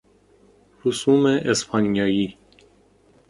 رسوم اسپانیایی